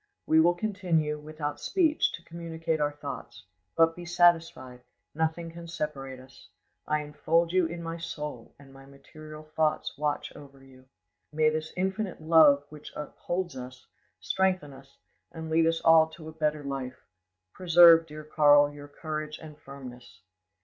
We will continue, without speech, to communicate our thoughts; but be satisfied, nothing can separate us; I enfold you in my soul, and my material thoughts watch over you. "May this infinite love which upholds us, strengthens us, and leads us all to a better life, preserve, dear Karl, your courage and firmness.